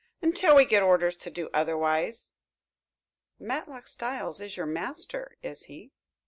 "Until we get orders to do otherwise." "Matlock Styles is your master, is he?"